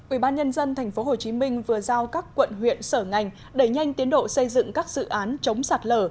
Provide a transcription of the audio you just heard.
ubnd tp hcm vừa giao các quận huyện sở ngành đẩy nhanh tiến độ xây dựng các dự án chống sạt lở